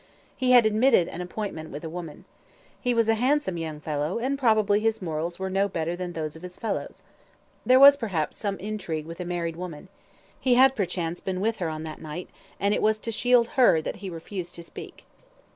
He had admitted an appointment with a woman. He was a handsome young fellow, and probably his morals were no better than those of his fellows. There was perhaps some intrigue with a married woman. He had perchance been with her on that night, and it was to shield her that he refused to speak.